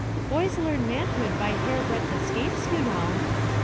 Boys learn manhood by hairbreadth escapes, you know."